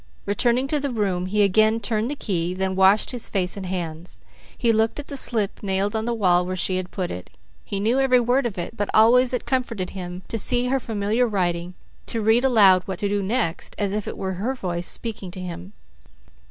Returning to the room he again turned the key, then washed his face and hands. He looked at the slip nailed on the wall where she had put it. He knew every word of it, but always it comforted him to see her familiar writing, to read aloud what to do next as if it were her voice speaking to him.